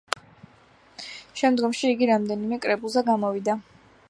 შემდგომში იგი რამდენიმე კრებულზე გამოვიდა.